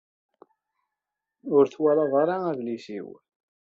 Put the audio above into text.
Ur twalaḍ ara adlis-iw?